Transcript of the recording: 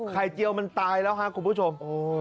เจียวมันตายแล้วครับคุณผู้ชม